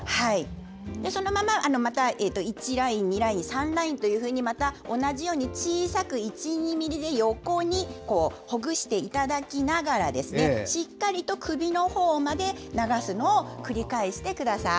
そのまま１ライン、２ライン３ラインというふうに同じように小さく１２ｍｍで横にほぐしていただきながらしっかりと首のほうまで流すのを繰り返してください。